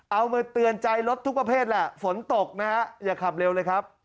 เอามาเตือนใจรถทุกประเภทแหละฝนตกนะฮะอย่าขับเร็วเลยครับ